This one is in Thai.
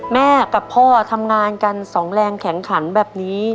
แม่กับพ่อทำงานกันสองแรงแข็งขันแบบนี้